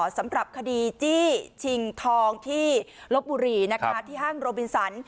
สำหรับคดีจี้ชิงทองที่ลบบุรีนะคะที่ห้างโรบินสัน